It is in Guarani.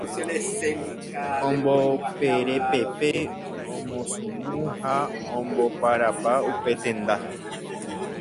Omboperepepe, omosunu ha omboparapa upe tenda.